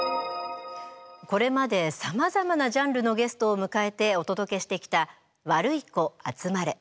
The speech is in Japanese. これまでさまざまなジャンルのゲストをむかえてお届けしてきた「ワルイコあつまれ」。